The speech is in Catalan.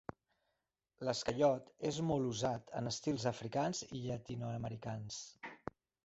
L'esquellot és molt usat en estils africans i llatinoamericans.